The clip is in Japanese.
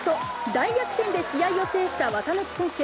大逆転で試合を制した綿貫選手。